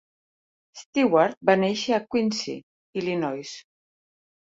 Stewart va néixer a Quincy, Illinois.